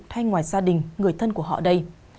thay ngoài gia đình người thân của họ đây